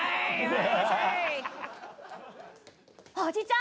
おじちゃん！